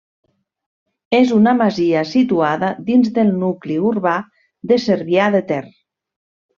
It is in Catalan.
És una masia situada dins del nucli urbà de Cervià de Ter.